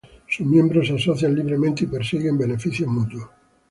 Sus miembros se asocian libremente y persiguen beneficios mutuos.